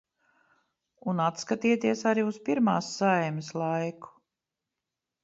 Un atskatieties arī uz Pirmās Saeimas laiku!